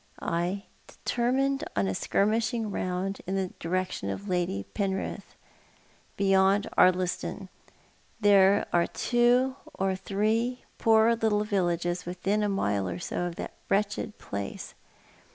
I determined on a skirmishing round in the direction Lady Penrith had talked of — beyond Ardliston. Tliere are two or three poor little villages within a mile or so of that wretched place.